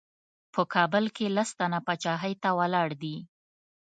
په کابل کې لس تنه پاچاهۍ ته ولاړ دي.